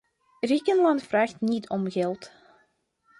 Griekenland vraagt niet om geld.